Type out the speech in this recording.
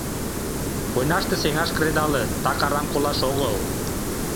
Войнаште сеҥаш кредалыт, так арам колаш огыл!